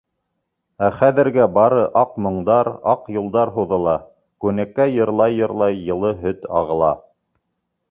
Ә хәҙергә бары аҡ моңдар, аҡ юлдар һуҙыла - күнәккә йырлай-йырлай йылы һөт ағыла...